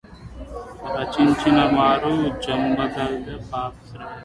రచించినవారు Jandhyala Papayya Sastry